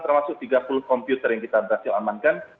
termasuk tiga puluh komputer yang kita berhasil amankan